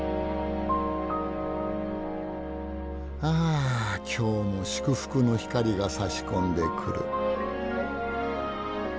ああ今日も祝福の光がさし込んでくる。